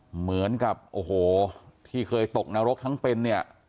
เหมือนกับโอ้โหที่เคยตกนรกทั้งเป็นเนี่ย